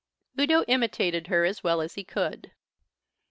Udo imitated her as well as he could.